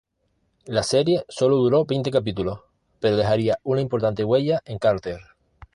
La serie sólo duró veinte capítulos, pero dejaría una importante huella en Carter.